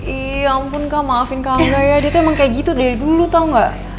iya ampun kak maafin kak angga ya dia tuh emang kayak gitu dari dulu tau gak